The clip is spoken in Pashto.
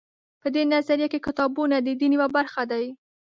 په دې نظریه کې کتابونه د دین یوه برخه دي.